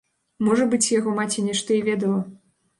Можа быць, яго маці нешта і ведала.